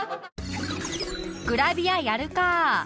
「グラビアやるかあ」